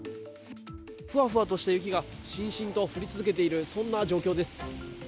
ふわふわとした雪がしんしんと降り続けているそんな状況です。